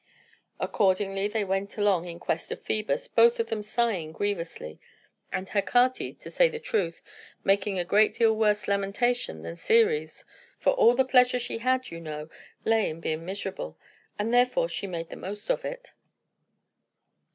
Accordingly, they went along in quest of Phœbus, both of them sighing grievously, and Hecate, to say the truth, making a great deal worse lamentation than Ceres; for all the pleasure she had, you know, lay in being miserable, and therefore she made the most of it.